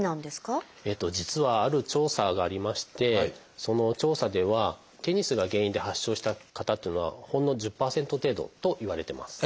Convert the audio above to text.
えっと実はある調査がありましてその調査ではテニスが原因で発症した方っていうのはほんの１０％程度といわれてます。